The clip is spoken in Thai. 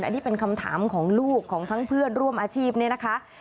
อันนี้เป็นคำถามของลูกของทั้งเพื่อนร่วมอาชีพเนี่ยนะคะ